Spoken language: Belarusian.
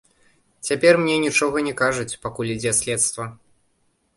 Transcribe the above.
Цяпер мне нічога не кажуць, пакуль ідзе следства.